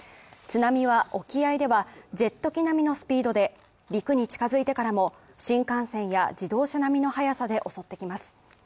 津波は沖合ではジェット機並みのスピードで陸に近づいてからも、新幹線や自動車並みの速さで襲ってきます。